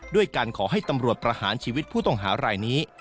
ด้วยการขอให้ตำรวจประหารชีวิตผู้ต้องหารายนี้